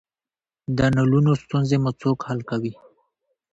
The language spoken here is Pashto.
د نلونو ستونزې مو څوک حل کوی؟